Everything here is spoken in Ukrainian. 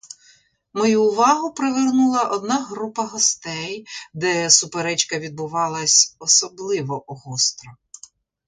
Мою увагу привернула одна група гостей, де суперечка відбувалась особливо гостро.